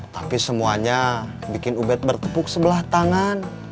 tapi semuanya bikin ubed bertepuk sebelah tangan